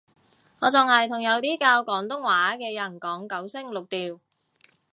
我仲係同有啲教廣東話嘅人講九聲六調